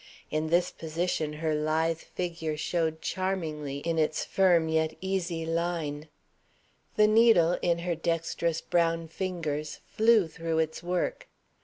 In this position her lithe figure showed charmingly its firm yet easy line. The needle, in her dexterous brown fingers, flew through its work.